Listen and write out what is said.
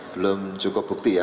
belum cukup bukti ya